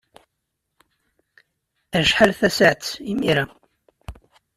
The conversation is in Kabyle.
Acḥal tasaɛet imir-a?